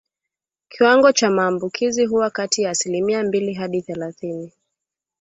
Kiwango cha maambukizi huwa kati ya asilimia mbili hadi thelathini